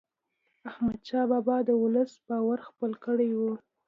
احمدشاه بابا د ولس باور خپل کړی و.